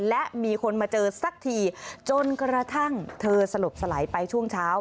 และมีคนมาเจอสักทีจนกระทั่งเธอสลบสลายไปช่วงเช้า